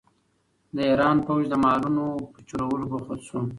د ایران پوځ د مالونو په چورولو بوخت شو.